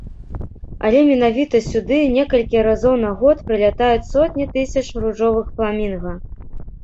Але менавіта сюды некалькі разоў на год прылятаюць сотні тысяч ружовых фламінга.